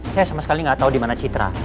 saya sama sekali gak tau dimana citra